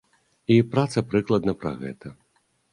І праца прыкладна пра гэта.